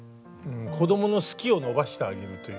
子どもの「好き」を伸ばしてあげるという。